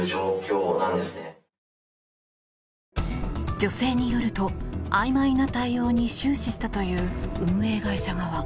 女性によるとあいまいな対応に終始したという運営会社側。